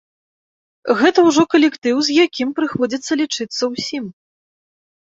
Гэта ўжо калектыў, з якім прыходзіцца лічыцца ўсім.